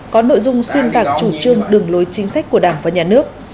có nội dung xuyên tạc chủ trương đường lối chính sách của đảng và nhà nước